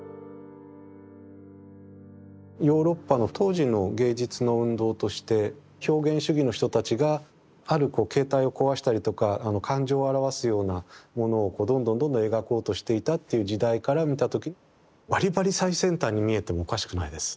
ヨーロッパの当時の芸術の運動として表現主義の人たちがあるこう形態を壊したりとか感情を表すようなものをどんどんどんどん描こうとしていたっていう時代から見た時ばりばり最先端に見えてもおかしくないです。